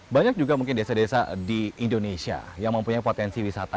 banyak juga mungkin desa desa di indonesia yang mempunyai potensi wisata